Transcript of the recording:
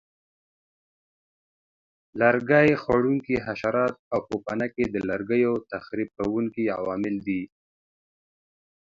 لرګي خوړونکي حشرات او پوپنکي د لرګیو تخریب کوونکي عوامل دي.